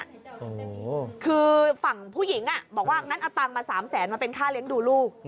โอ้โหคือฝั่งผู้หญิงบอกว่างั้นเอาตังค์มา๓แสนมาเป็นค่าเลี้ยงดูลูก